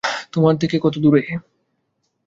তোমার থেকে কতদূরে!